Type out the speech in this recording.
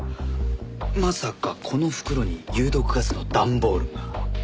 まさかこの袋に有毒ガスの段ボールが？